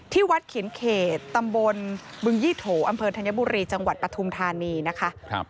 วัดเขียนเขตตำบลบึงยี่โถอำเภอธัญบุรีจังหวัดปฐุมธานีนะคะ